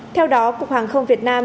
theo đó cục hàng không việt nam